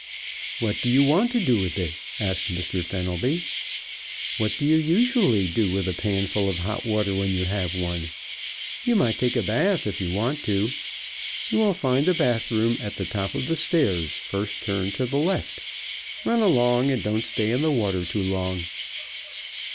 "What do you want to do with it?" asked Mr. Fenelby. "What do you usually do with a panful of hot water when you have one? You might take a bath, if you want to. You will find the bath room at the top of the stairs, first turn to the left. Run along, and don't stay in the water too long."